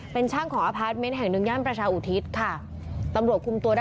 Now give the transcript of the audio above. เป็นช่างของอพาร์ทเมนต์แห่งหนึ่งย่านประชาอุทิศค่ะ